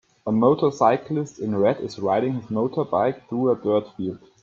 A motorcyclist in red is riding his motorbike through a dirt field.